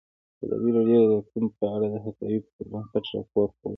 ازادي راډیو د اقلیم په اړه د حقایقو پر بنسټ راپور خپور کړی.